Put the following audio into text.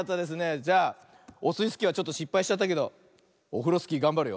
じゃあオスイスキーはちょっとしっぱいしちゃったけどオフロスキーがんばるよ。